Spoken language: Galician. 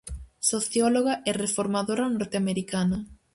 Socióloga e reformadora norteamericana.